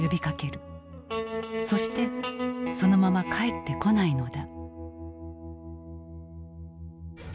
そしてそのまま帰ってこないのだ。